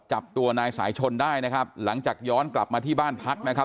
จับตัวนายสายชนได้นะครับหลังจากย้อนกลับมาที่บ้านพักนะครับ